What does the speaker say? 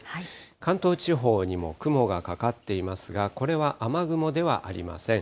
関東地方にも雲がかかっていますが、これは雨雲ではありません。